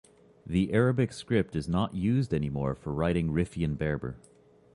The Arabic script is not used anymore for writing Riffian Berber.